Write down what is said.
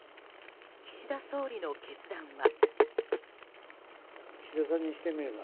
岸田総理の決断は。